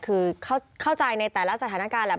คือเข้าใจในแต่ละสถานการณ์แหละ